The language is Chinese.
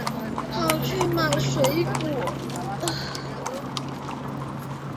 跑去买水果